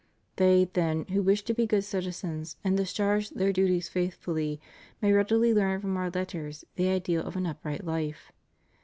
They, then, who wish to be good citizens and discharge their duties faith fully may readily learn from Our Letters the ideal of an upright life.